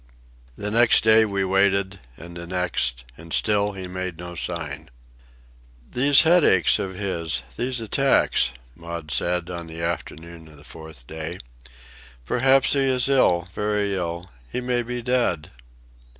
The next day we waited, and the next, and still he made no sign. "These headaches of his, these attacks," Maud said, on the afternoon of the fourth day; "Perhaps he is ill, very ill. He may be dead."